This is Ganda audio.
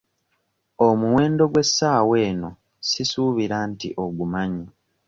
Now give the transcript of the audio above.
Omuwendo gw'essaawa eno sisuubira nti ogumanyi.